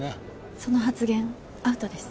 その発言アウトです。